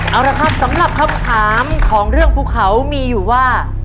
เอาละครับสำหรับคำถามของเรื่องภูเขามีอยู่ว่า